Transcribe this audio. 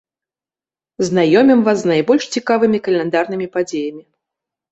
Знаёмім вас з найбольш цікавымі каляндарнымі падзеямі.